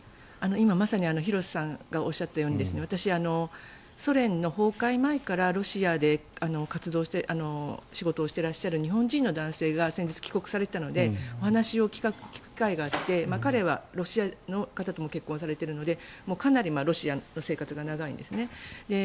今まさに廣瀬さんがおっしゃったように私、ソ連の崩壊前からロシアで活動して仕事をしていらっしゃる日本人の男性が先日、帰国されていたのでお話を聞く機会があって彼はロシアの方と結婚されているのでかなりロシアの生活が長いんですね。